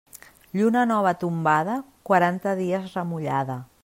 Lluna nova tombada, quaranta dies remullada.